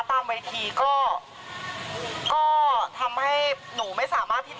ตามเวทีก็ทำให้หนูไม่สามารถที่จะ